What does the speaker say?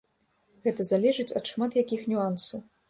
Гэта залежыць ад шмат якіх нюансаў.